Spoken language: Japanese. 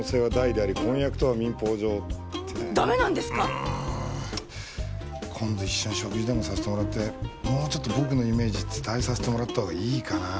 うーん。今度一緒に食事でもさせてもらってもうちょっと僕のイメージ伝えさせてもらったほうがいいかなぁ。